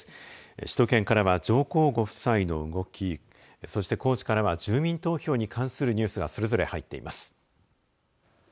首都圏からは上皇ご夫妻の動きそして高知からは住民投票に関するニュースがそれぞれ入っています。